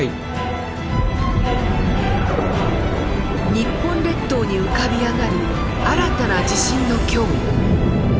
日本列島に浮かび上がる新たな地震の脅威。